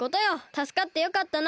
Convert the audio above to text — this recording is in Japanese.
たすかってよかったな。